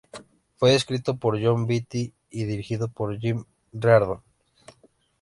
Fue escrito por Jon Vitti y dirigido por Jim Reardon.